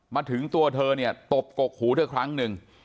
มาถึงตัวเธอเนี่ยตบกกหูเธอครั้งหนึ่ง